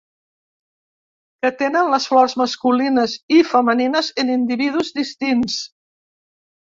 Que tenen les flors masculines i les femenines en individus distints.